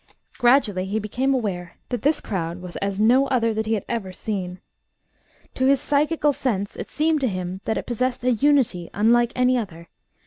Gradually he became aware that this crowd was as no other that he had ever seen. To his psychical sense it seemed to him that it possessed a unity unlike any other.